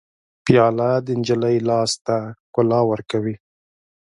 پیاله د نجلۍ لاس ته ښکلا ورکوي.